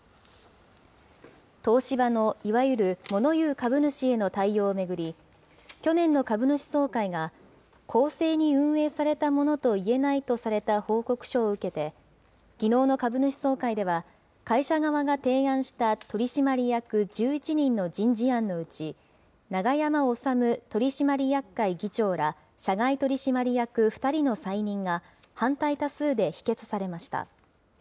東芝のいわゆるモノ言う株主への対応を巡り、去年の株主総会が公正に運営されたものといえないとされた報告書を受けて、きのうの株主総会では、会社側が提案した取締役１１人の人事案のうち、永山治取締役会議長ら社外取締役２人の再任が反対多数で否決されました。